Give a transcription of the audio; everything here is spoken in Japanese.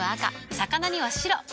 魚には白。